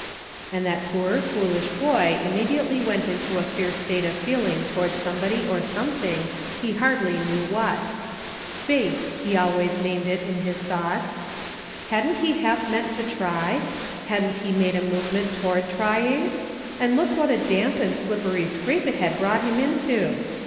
And that poor, foolish boy immediately went into a fierce state of feeling toward somebody or something, he hardly knew what. " Fate," he al ways named it in his thoughts. Hadn't he half meant to try .•• Hadn't he made a movement toward trying } And look what a damp and slip pery scrape it had brought him into